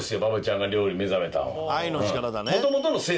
「愛の力だね」